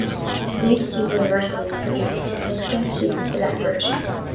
Leeds' two universities produce a significant student electorate.